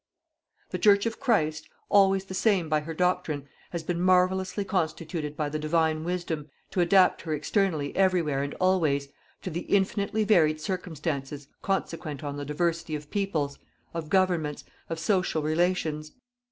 "The Church of Christ, always the same by her doctrine, has been marvellously constituted by the Divine Wisdom, to adapt her externally everywhere and always, to the infinitely varied circumstances consequent on the diversity of peoples, of governments, of social relations.